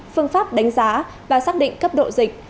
phương pháp đánh giá và xác định cấp độ dịch